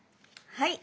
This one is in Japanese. はい。